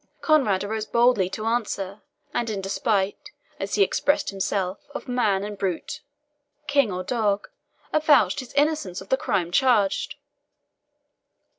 Conrade arose boldly to answer, and in despite, as he expressed himself, of man and brute, king or dog, avouched his innocence of the crime charged.